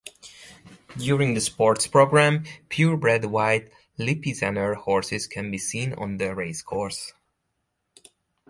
During the sports program, pure-bred white Lipizzaner horses can be seen on the racecourse.